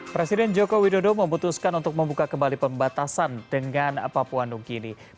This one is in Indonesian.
presiden joko widodo memutuskan untuk membuka kembali pembatasan dengan papua new guinea